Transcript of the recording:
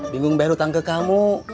bingung berutang ke kamu